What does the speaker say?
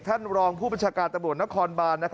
ท่านรองผู้บัญชาการตำรวจนครบาน